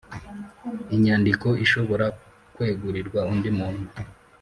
Inyandiko ishobora kwegurirwa undi muntu